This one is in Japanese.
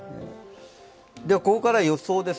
ここからは予想です。